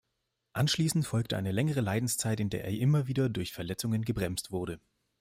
Anschließend folgte eine längere Leidenszeit, in der er immer wieder durch Verletzungen gebremst wurde.